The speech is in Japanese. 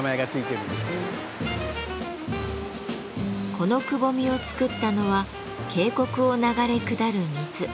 このくぼみを作ったのは渓谷を流れ下る水。